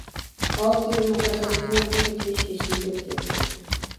ئالتە يىل مۇقەددەم شۇنداق كەچمىش بېشىمدىن ئۆتكەن.